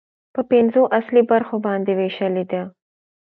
په پنځو اصلي برخو باندې ويشلې ده